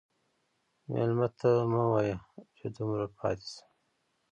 مېلمه ته مه وایه چې دومره پاتې شه.